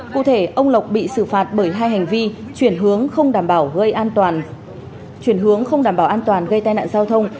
cụ thể ông lộc bị xử phạt bởi hai hành vi chuyển hướng không đảm bảo an toàn gây tai nạn giao thông